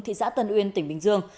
thị xã tân uyên tỉnh bình dương